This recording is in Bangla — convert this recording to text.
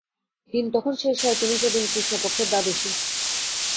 দিন তখন শেষ হয়, তিথি সেদিন কৃষ্ণপক্ষের দ্বাদশী।